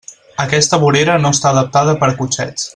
Aquesta vorera no està adaptada per a cotxets.